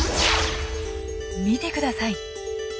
見てください。